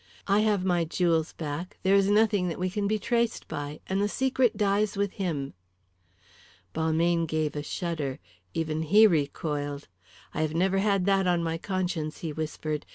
I have my jewels back; there is nothing that we can be traced by. And the secret dies with him." Balmayne gave a shudder. Even he recoiled. "I have never had that on my conscience," he whispered.